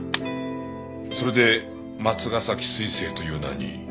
それで松ヶ崎彗星という名に。